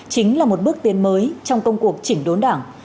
chính là một bước tiến mới trong công cuộc chỉnh đốn đảng